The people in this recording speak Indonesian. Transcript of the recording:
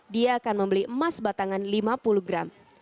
dia akan membeli emas batangan lima puluh gram